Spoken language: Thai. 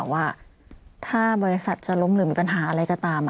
ว่าถ้าบริษัทจะล้มหรือมีปัญหาอะไรก็ตาม